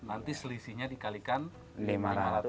nanti selisihnya dikalikan rp lima ratus